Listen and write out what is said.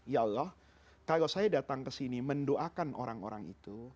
ya allah kalau saya datang ke sini mendoakan orang orang itu